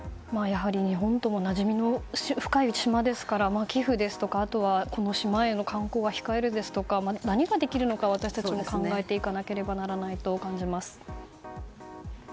日本ともおなじみの深い島ですから寄付ですとか、この島への観光は控えるですとか何ができるのか、私たちも考えていかなければと感じます。